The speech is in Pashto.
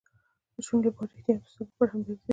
د شونډو لپاره ریښتیا او د سترګو لپاره همدردي ده.